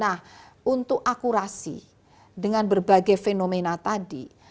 nah untuk akurasi dengan berbagai fenomena tadi